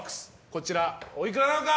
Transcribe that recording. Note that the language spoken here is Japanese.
こちら、おいくらなのか。